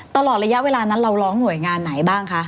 ตลอดระยะเวลานั้นเราร้องหน่วยงานไหนบ้างคะ